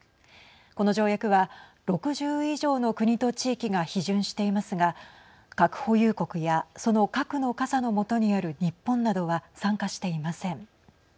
この条約は６０以上の国と地域が批准していますが核保有国やその核の傘の下にある日本などは参加していません。